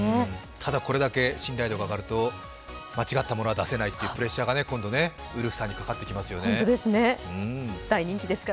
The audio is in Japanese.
ただ、これだけ信頼度が上がると間違ったものは出せないとうプレッシャーが今度ウルフさんにかかってきますね。